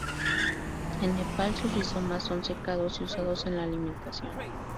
En Nepal, sus rizomas son secados y usados en la alimentación.